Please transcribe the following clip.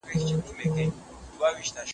هیوادونه ولي د انسان حقونو ته درناوی کوي؟